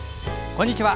こんにちは。